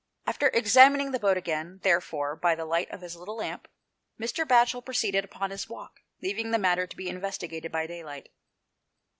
After examining the boat again, therefore, by the light of his little lamp, Mr. Batchel proceeded upon his walk, leaving the matter to be investigated by daylight.